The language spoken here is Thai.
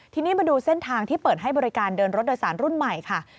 ทีนี้มาดูเส้นทางที่เปิดให้บริการเดินรถโดยสารรุ่นใหม่ค่ะ